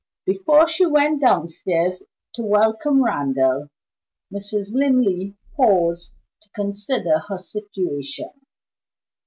Before she went downstairs to welcome Randal, Mrs. Linley paused to consider her situation.